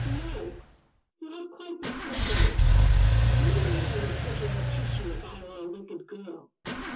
"No, you have quite mistaken me. Do you think I would sit here and kiss you, if I were a wicked girl?